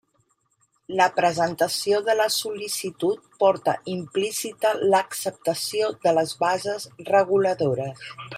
La presentació de la sol·licitud porta implícita l'acceptació de les bases reguladores.